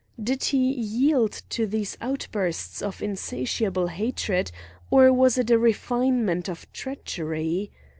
Did he yield to these outbursts of insatiable hatred or was it a refinement of treachery?